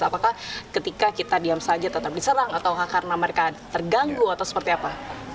apakah ketika kita diam saja tetap diserang atau karena mereka terganggu atau seperti apa